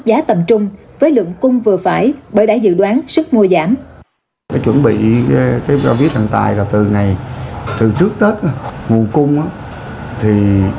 dạ đúng rồi em chỉ mua ở đây thôi rồi